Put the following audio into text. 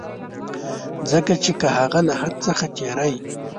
ځکه چي که هغه له حد څخه تېری.